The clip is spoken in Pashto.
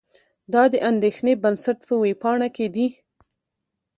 دا د اندېښې بنسټ په وېبپاڼه کې دي.